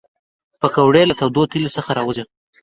پکورې له تودو تیلو څخه راوزي